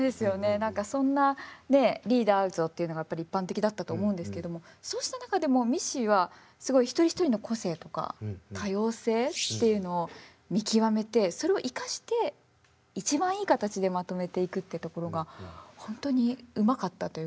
何かそんなねえリーダー像っていうのがやっぱり一般的だったと思うんですけどもそうした中でもミッシーはすごい一人一人の個性とか多様性っていうのを見極めてそれを生かして一番いい形でまとめていくっていうところが本当にうまかったという。